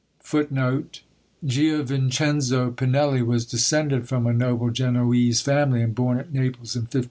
"] [Footnote 26: Gianvincenzo Pinelli was descended from a noble Genoese family, and born at Naples in 1535.